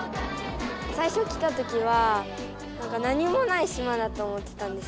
最初来たときは何もない島だと思ってたんです。